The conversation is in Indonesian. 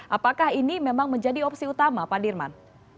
apakah ini memang menjadi opsi utama pak dirman